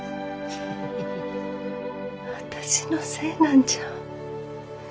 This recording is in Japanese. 私のせいなんじゃ。